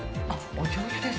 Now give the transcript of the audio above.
お上手です。